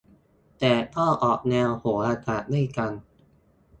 แต่ก็ออกแนวโหราศาสตร์ด้วยกัน